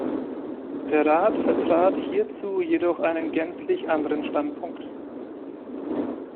Der Rat vertrat hierzu jedoch einen gänzlich anderen Standpunkt.